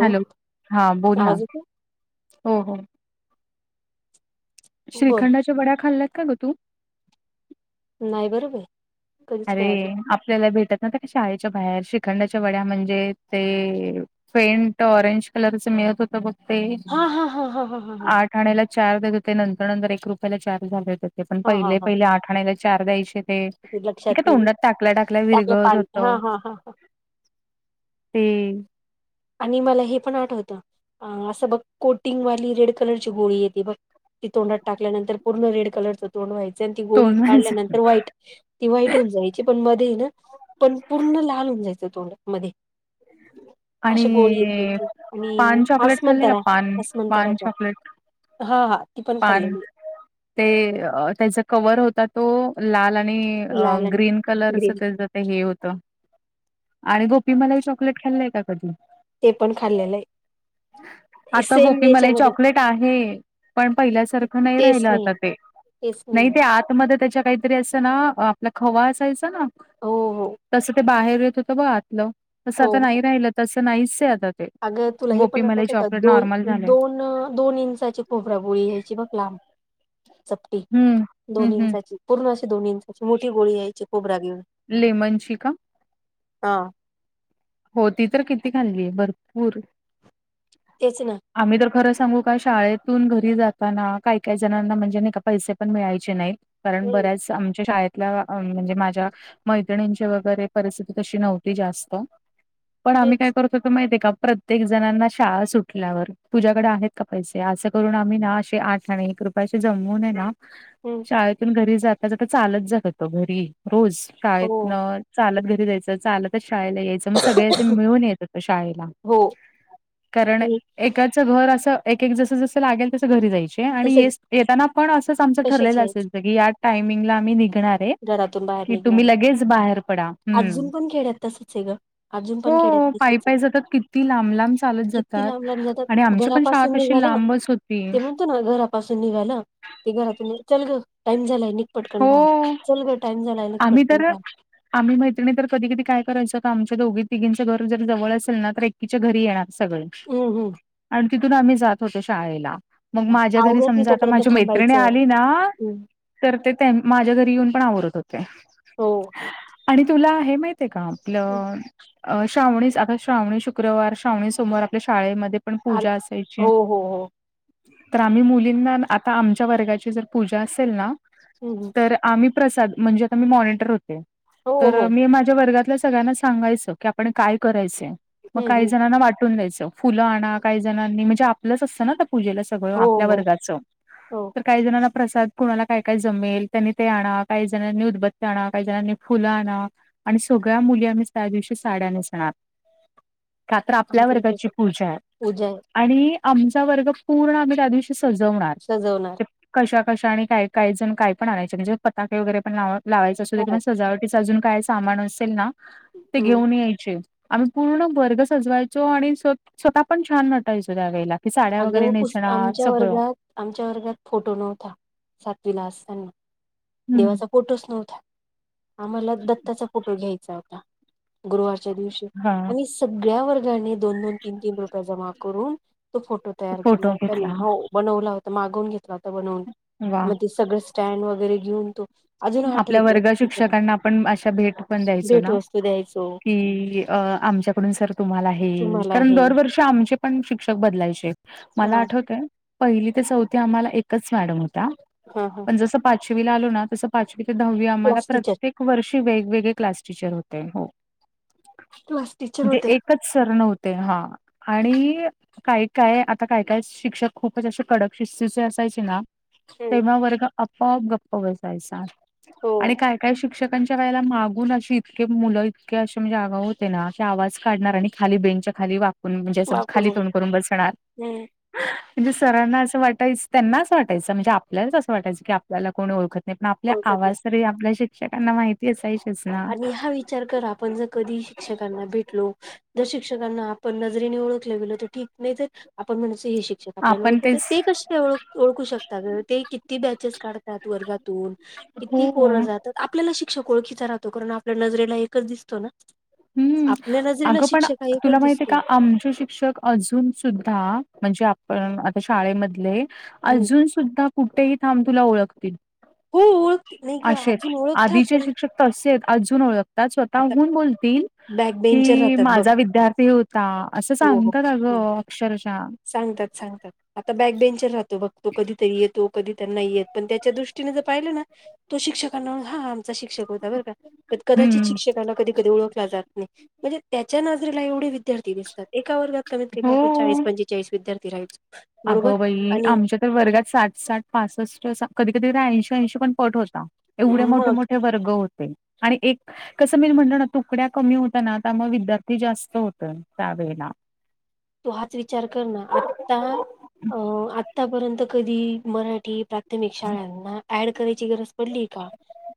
Hello हा बोल ना आवाज येतोय हो हो! बोल श्रीखंडाच्या वड्या खाल्यात का ग तु? नाही बर बाई. अरे आपल्याला भेटत नव्हतं का शाळेच्या बाहेर श्रीखंडाच्या वड्या म्हणजे ते पेंट ऑरेंज कलरच मिळत होतं बघ ते हां हां हां हां हां हां हां आठ अन्याला चार देत होते नंतर नंतर एक रुपयाला चार झाले होते. ते पण हां हां पहिले हां पहिले आठ आन्याला चार द्यायचे ते न्हाय लक्षात का नाही ना तोंडात टाकल्या टाकल्या टाकलं विरघळत पाणी हां होत हां हां हां ते आणि मला हे पण आठवतं असं बघ कोटिंगवाली रेड कलरची गोळी येते बघ. ती तोंडात टाकल्यानंतर पूर्ण रेड कलरचं तोंड व्हायचं आणि ती गोळी तोंड माझं काढल्यानंतर व्हाईट ती व्हाईट होऊन जायची पण मध्ये ना पण पूर्ण लाल होऊन जायचं तोंड मध्ये अशी गोळी येती आणि ती आणि पान चॉकलेट खाल्ले का आसमतरा पान? पान असमतराच्या चॉकलेट हा हा! पान ते त्याचा कवर होता तो लाल आणि आहे. लाल आणि ग्रीन कलरच ग्रीन त्याच ते हे हो त आणि गोपी मलाई चॉकलेट खाल्लय का कधी? ते पण खाल्लेलं आहे आता सेम गोपी मलाई याच्यामध्ये चॉकलेट आहे. पण पहिल्यासारखं नाही राहिलं आता ते नाही ते आतमध्ये त्याच्या काय तरी असं ना आपला खवा असायचा ना हो हो तस ते बाहेर येत होतं ब आतलं तसं हो आता हो नाही राहिलं तसं नाहीच आता ते. अगं तुला ही गोपीमलाई आठवत का चॉकलेट दोन नॉर्मल झालंय. दोन दोन इंचाची खोबरागोळी यायची बघ लांब चपटी हम्म दोन हम्म हम्म इंचाची पूर्ण अशी दोन इंचाची मोठी गोळी यायची खोबऱ्यातन लेमनची का? आ! हो ती तर किती खाल्लीय भरपूर. तेच ना! आम्ही तर खरं सांगू का शाळेतून घरी जाताना काही काही जणांना म्हणजे नाही का पैसे पण मिळायचे नाही कारण हम्म बऱ्याच आमच्या शाळेत ल्या अं म्हणजे माझ्या मैत्रिणीची वगैरे परिस्थिती तशी नव्हती जास्त पण आम्ही काय तेच कर त होतो माहित आहे का, प्रत्येक जणांना शाळा सुटल्यावर तुझ्याकडे आहेत का पैसे असं करून आम्ही ना, असे आठ ठने आणि एक रूपये अशी जमवुन आहे ना हम्म! शाळेतून घरी जाता जाता चालत जातात ओ घरी, रोज शाळेतन हो चालत घरी जायचं, चालतच शाळेला यायचं, मग सगळे असे मिळून येत होते शाळेला. हो कारण आणि एकाच घर अस, एकक जस जस लागेल तसं घरी जायची ते आणि तस येस येताना पण असंच, आमच तसेच ठरलेलं आहेच असायच, की या टायमिंगला आम्ही निघणार घरातून बाहेर हे तुम्ही निघणार लगेच बाहेर पडा, हम्म. तसंच आहे गं! हो पाय पाय जातात किती लांब लांब चालत किती जातात लांब लांब जातात आणि आमची पण शाळा घरापासून अशी निघाला लांबच ते [unintelligible] म्हणतो घरापासून निेघालं ते घरातून चल ग टाइम झालाय, निघ पटकन हो बाहेर. चल गं टाईम झालाय निघ आम्ही पटकन तर बाहेर. आम्ही मैत्रिणी तर कधी कधी काय करायचो आमच्या दोघी तिघींचे घर जर जवळ असेल ना तर एक कीच्या घरी येणार सगळे. हम्म हम्म आणि तिथून आम्ही जात होतो शाळेला, मग माझ्या घरी आवरत नाही समजा आता तोपर्यंत माझी मैत्रिणी थांबायचं आली ना, हम्म तर ते माझ्या घरी येऊन पण आवरत होत्या, हो आणि तुला हे माहित ते का आपलं, श्रावणी आता श्रावणी शुक्रवार, श्रावणी सोमवार, आपल्या शाळेमध्ये पण अर पूजा असायची. हो हो हो तर आम्ही मुलींना, आता आमच्या वर्गाची जर पूजा असेल ना, हम्म हम्म तर आम्ही प्रसाद, म्हनजे आता मी मॉनिटर होते, हो तर हो मी माझ्या वर्गातल्या सगळ्यांना सांगायचं की आपण काय करायचंय, मग हम्म काही हम्म जणांना वाटून द्यायचं. फुलं आणा काही जणांनी, म्हणजे आपलंच असतं ना त्या पूजेला सगळं, हो आपल्या हो वर्गाचं. हो तर काही जणांना प्रसाद कुणाला काय काय जमेल त्यांनी ते आणा, काही जणांनी उदबत्ती आणा, काही जणांनी फुलं आणा. आणि सगळ्या मुली आम्ही त्या दिवशीचं साड्या नेसणार. [inaudible] का तर आपल्या आमच्या इथे वर्गाची तसं पूजा आहे. पूजा आहे आणि आमचा वर्ग पूर्ण आम्ही त्या दिवशी सजवणार. सजवणार. ते कशा कशाने आणि काय काही जण काय पन आणायचे, म्हणजे पताके वगैरे पण ला लावायचे, असुदे हो किंवा सजावटी अजून काय सामान असेल ना, ते हम्म घेऊन यायचे. आम्ही पूर्ण वर्ग सजवायचो, आणि स्व स्वतः पण छान नटायचो त्यावेेळेला. की साड्या वगैरे अगं पुस नेसणार, आमच्या सगळं. वर्गात आमच्या वर्गात फोटो नव्हता, सातवीला असताना, हम्म देवाचा फोटोच नव्हता, आम्हाला दत्ताचा फोटो घ्यायचा होता, गुरुवारच्या दिवशी हा आम्ही सगळ्या वर्गाने दोन-दोन, तीन-तीन रुपये जमा करून तो फोटो तयार केला फोटो होता नै घेतला हो बनवला होता, मागवून घेतला होता बनवून वा मग दी सगळं स्टँड वगैरे घेऊन तो. अजून आपल्या आठवत वर्ग त्याच्यानंतर शिक्षकांना आपण अशा, भेट पण द्यायचो भेट ना. वस्तू द्यायचो कि अ आमच्याकडून सर तुम्हाला हे, तुम्हाला कारण हे दरवर्षी आमचे पण शिक्षक बदलायचे मला हा आठवतंय पहिली ते चौथी आम्हाला एकच मॅडम होत्या. हा हा पण जस पाचवीला आलो ना, तस पाचवी ते दहावी आम्हाला क्लास टीचर प्रत्येक वर्षी वेगवेगळे क्लास टिचर होते हो क्लास टीचर म्हणजे होत्या एकच सर नव्हते हा आणि काय काय आता काय काय शिक्षक खूपच असे कडक शिस्तीचे असायचे ना हम्म. तेव्हा वर्ग आपोआप गप्प बसायचा. हो आणि काय काय शिक्षकांच्या वेळेला मागून अशी की मुलं इतके असे म्हणजे आगाऊ होते ना की, आवाज काढणार आणि खाली बेंचच्या खाली वाक कुन म्हणजे अस खाली वापरून घे तोंड करून बसणार. [inaudible] म्हणजे सरांना असं वाटायचं. त्यांनाच वाटायचं म्हणजे आपल्यालाच असं वाटायचं की, आपल्याला कोणी ओळखत नाही. पण आपल्या होतात आवाज तरी आपल्या शिक्षकांना माहिती असायचेच ना. आणि हा विचार करा आपण जर कधी शिक्षकांना भेटलो. जर शिक्षकांना आपण नजरेने ओळखलं गेलो तर ठीक. नाही तर आपण म्हणायचो हे शिक- -क्षक आपल्याला आपण ओळखत्यात. तेच ते कसे ओ ओळखू शकता ग? ते किती बॅचेस काढतात वर्गातून. हो किती पोरं जातात. आपल्याला शिक्षक ओळखीचा राहतो. कारण आपल्या नजरेला एकच दिसतो ना? हम्म. आपल्या नजरेला अगं पण शिक्षक हा एकच तुला माहित आहे दिसतो का? आमचे शिक्षक- अजून सुद्धा, म्हणजे आपण आता शाळेमधले, हम्म अजून- सुद्धा कुठेही थांब तुला ओळखतील. हो ओळख नाही ग असेयेत. अजून ओळखतात आधीचे पण शिक्षक- तसे आहेत. अजून ओळखतात. आता स्वतःहून बोलत- -तील बॅक बेंचर की राहतात बघ माझा विद्यार्थी होता. असं हो सांगतात अग! हो अक्षरशः. सांगतात. सांगतात. आता बॅक बेंचर राहतो बघ. तो कधीतरी येत- -तो. कधी त नाही येत. पण त्याच्या दृष्टीने जर पाहिलं ना? तो शिक्षकांना हा- शिक्षक होता बर का. कदाचित हम्म. शिक्षकाना - कधी कधी ओळखला जात नाही. म्हणजे त्याच्या नजरेला एवढे विद्यार्थी - -दिसतात. एका वर्गात कमीत कमी हो. आपण चाळीस पंचेचाळीस विद्यार्थी राहायचो. बरोबर अगं बाई! आणि आमच्या- तर वर्गात साठ साठ पासष्ट. कधी कधी ऐंशी ऐंशी पण पट होता. एवढे मोठे मग मोठे वर्ग - होते. आणि एक- कसं मी म्हणलं ना? तुकड्या कमी होत्या ना त्यामुळे विद्यार्थी जास्त होत त्यावेेळेला. तू हाच विचार कर ना. आत्ता अ आत्तापर्यंत कधी मराठी- - शाळांना ऍड करायची गरज पडलीए का?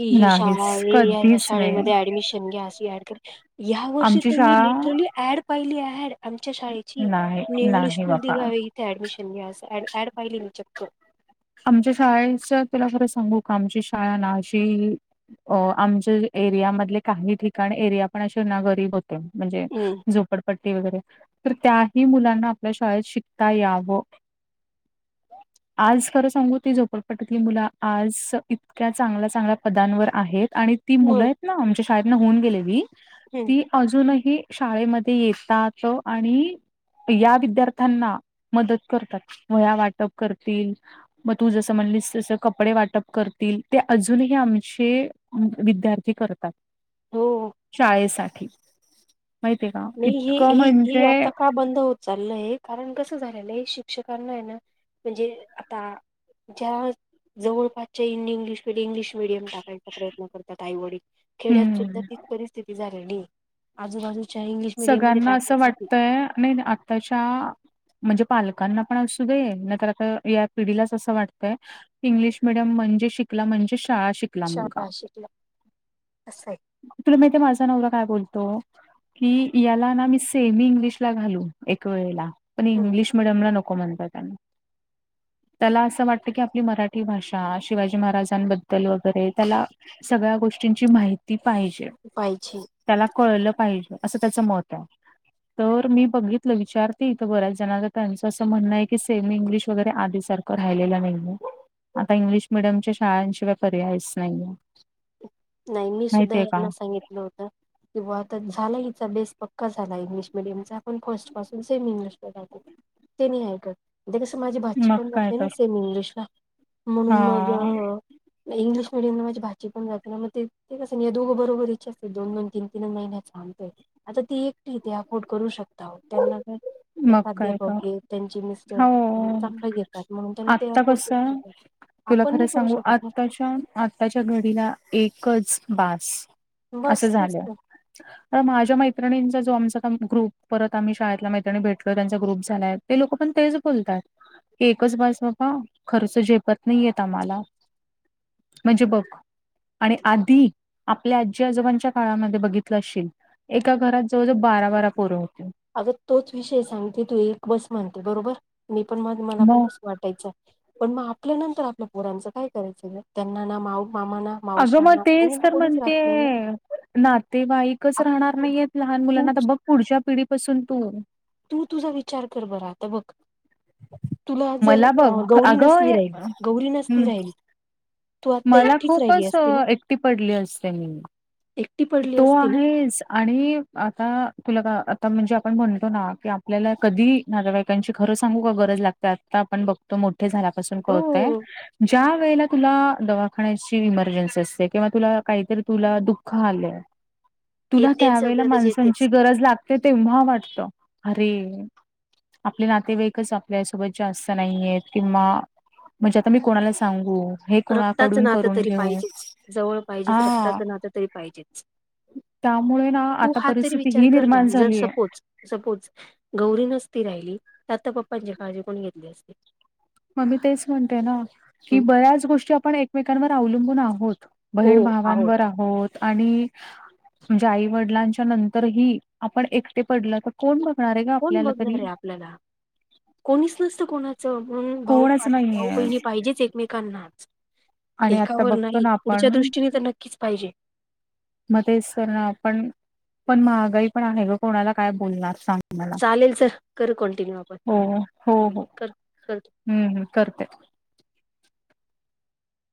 ही ही शाळा नाहीच. आहे. या या कधीच नाही शाळेमध्ये ऍडमिशन घ्या. अशी ॲड - या वर्षी आमची तर मी शाळा लिटरली ॲड पाहिली ॲड. आमच्या शाळे- -ची. नाही न्यू इंग्लिश नाही स्कूल बाबा. [unintelligible] इथे ऍडमिशन घ्या. अस ॲड पाहिली मी चक्क. आमच्या शाळेच. तुला खरं सांगू का? आमची शाळा ना अशी- अ. आमच्या एरिया मधले काही ठिकाण एरिया पण असे ना गरीब हो - -त म्हणजे हम्म. झोपडपट्टी वगैरे- तर त्याही मुलांना आपल्या शाळेत शिकता यावं. आज- खरं सांगू? ती झोपडपट्टीतली मुलं आज इतक्या चांगल्या चांगल्या पदांवर आहेत. आणि- ती मुलं मग आहेत ना? आमच्या शाळेतन होऊन गेलेली- हम्म ती अजूनही शाळेमध्ये येतात. आणि- या विद्यार्थ्यांना मदत करतात. वह्या वाटप करतील. म तू जसं म्हणलीस तसं कपडे वाटप करतील. ते अजूनही आमचे- विद्यार्थी करतात. हो शाळेसाठी. माहितीय का? नाही हे इतकं हे हे आता म्हणजे- बंद होत- चाललय. कारण कसं झालेलं आहे शिक्षकांना ए ना म्हणजे आता- ज्या जवळपासच्या हिंदी इंग्लिश, इंग्लिश मिडियम- टाकायचा प्रयत्न करतात आई वडील. खेड्यात सुद्धा हम्म तीच परिस्थिती झालेलीय. आजूबाजू- सगळ्यांना असं वाटतय. आणि आताच्या- म्हणजे पालकांना पण असू दे. नाही तर आता या पिढीलाच असं वाटतंय- इंग्लिश मिडीयम म्हणजे शिकला म्हणजे शाळा शिक- -ला मुलगा. शाळा शिकला असं तुला माहितीए माझा नवरा काय बोलतो? की याला ना मी सेमी इंग्लिशला घालिन एक वेळेला. पण आहे इंग्लिश - मिडीयमला नको म्हणतायेत आणि. त्याला असं वाटतंय की आपली मराठी भाषा, शिवाजी महाराजांबद्दल वगैरे त्याला- सगळ्या गोष्टींची माहिती पाहिजे. पाहिजे. त्याला कळलं पाहिजे, असं त्याचं मत आहे. तर मी बघितलं विचारते इथं बऱ्याच जणांच त्याचं असं म्हणणं आहे की सेम इंग्लिश वगैर आधी सारखं राहिला नाही हाय, आता इंगलिश मिडियमच्या शाळांशिवाय पर्यायच नाहीये. नाही मी सुद्धा माहितीये का यांना सांगितलं होतं. किंवा आता झाला हिचा बेस पक्का झाला इंग्लिश मिडियमचा आपण फर्स्ट पासून सेम इंग्लिश ते नाही ऐक, कसं माझी भाची मग पण काय जाते ना तर सेम इंग्लिशला. म्हणून हा मग इंग्लिश मिडियमला माझी भाजी पण जाते ना मग ते कसं नाही दोघं बरोबरच असते दोन-दोन तीन-तीन महिन्याच अंतर. आता ती एकटी अफोर्ड करू शकता आ त्यांना त्या मग काय आध्यापक तर हे, त्यांची मिस्टर हो चांगलं घेतात म्हणून त्यां ते आत्ता फोटो कसं आपण नाही करू शकत ना. आताच्या घडीला एकच बस, बस असं तेच झालं. ना अ माझ्या मैत्रणींचा जो आमचा ग्रुप परत आम्ही शाळेतला मा नी भेटल त्यांचा ग्रुप झालाय ते लोक पण तेच बोलतात. एकच बस बाबा, खर्च झेपत नाही येत आम्हाला. म्हणजे बघ. आणि आधी, आपल्या आजी आजोबांच्या काळामध्ये बघितलं असशील. एका घरात जवळजवळ बारा-बारा पोर होती. आग तोच विषय सांगते, तू एक बस म्हणते बरोबर, मी पण म मला पण मग वाटायच, पण मग आपल्या नंतर आपल्या पोरांचं काय करायचं, त्यांना ना मा मामाना अगं मग तेच तर म्हणते नातेवाईकच राहणार आप- नाहीयेत लहान तू मुलांना तर बघ पुढच्या पिढीपासून तू तू तुझा विचार कर बरा आता बघ तुला जर मला बघ गौरी अगं नसली हे राहील, गौरी नसती हं, राहील. मला खूपच, एकटी पडली असते मी. एक तो आहे. आणि आता, तुला का, आता म्हणजे आपण म्हणतो ना की आपल्याला कधी. नागवाईकांची खरं सांगू का गरज लागते, आता आपण बघतो मोठे झाल्यापासून हो कळतय. ज्या वेळेला तुला दवाखान्याची इमर्जन्सी असते किंवा तुला काहीतरी तुला दु खाल, तुला त्या येतेच वेळेला गरज माणसची येतेच गरज लाग ते तेव्हा वाटत. अरे आपले नातेवाईकच आपल्यासोबत जास्त नाहीयेत. किंवा म्हणजे आता मी कोणाला सांगू हे रक्ताचं कोणाकडून नातं करून तरी घेऊ पाहिजेच, जवळ पाहिजेच, हा रक्ताचं नातं तरी पाहिजेच. त्यामुळे ना तू आता हा तरी परिस्थिती विचार ही कर ना, निर्माण जर झालीय सपोज सपोज, गौरी नसती राहिली तर आता पप्पांची काळजी कोण घेतली असते. मग मी तेच म्हणते ना, की हम् बऱ्याच गोष्टी आपण एकमेकांवर अवलंबून आहोत. बहीण भावांवर आहोत. आणि आई वडिलांच्या नंतरही आपण एकटे पडल तर कोण बघणार आहे ग, कोण आपल्याला तरी. बघणार आहे आपल्याला कोणीच नसत कोणाचं, म्हणून कोणच भाऊ-भाऊ नाहीये बहिणी पाहिजेच एकमेक नाच आणि आता एकावर बघतो नाही. ना पुढच्या आपण दृष्टीने तर नक्कीच पाहिजे. मग तेच करणं, आपण पण महागाई पण आहे ग, कोणाला काय बोलणार सांग. मला चालेल चल करू कटिन्यू आपण कर कर. हूं हूं करते.